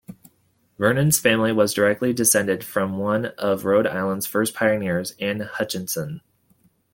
Vernon's family was directly descended from one of Rhode Island's first pioneers, Anne Hutchinson.